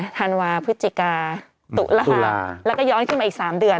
ธันวาพฤศจิกาตุรภาแล้วก็ย้อนขึ้นมาอีก๓เดือน